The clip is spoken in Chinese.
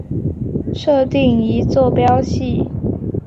设定一坐标系。